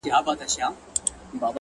سیاه پوسي ده ـ جنگ دی جدل دی ـ